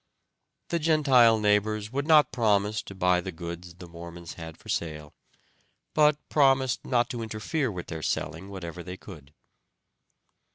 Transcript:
The Gentile neighbors would not promise to buy the goods the Mormons had for sale, but promised not to interfere with their selling whatever they could.